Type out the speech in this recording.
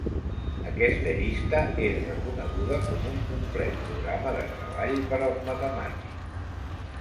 Aquesta llista és reconeguda com un complet programa de treball per als matemàtics.